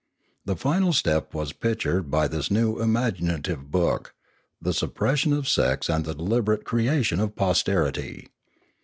The final step was pictured by this new imaginative book, the supersession of sex and the deliberate creation of posterity.